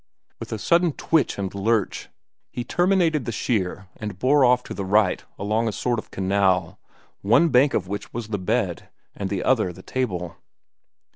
With a sudden twitch and lurch, he terminated the sheer and bore off to the right along a sort of canal, one bank of which was the bed, the other the table.